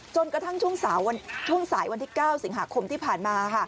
จนกระทั่งช่วงสายวันที่๙สิงหาคมที่ผ่านมา